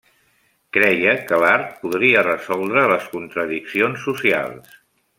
Creia que l'art podria resoldre les contradiccions socials.